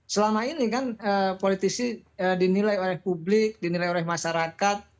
selama ini kan politisi dinilai oleh publik dinilai oleh masyarakat